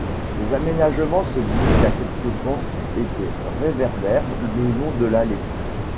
Les aménagements se limitent à quelques bancs et des réverbères le long de l’allée.